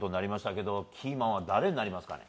キーマンは誰になりますかね？